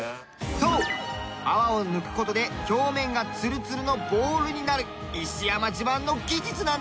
そう泡を抜く事で表面がツルツルのボールになる石山自慢の技術なんです。